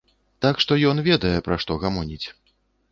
Так што ён ведае, пра што гамоніць.